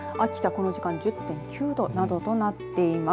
この時間１０．９度などとなっています。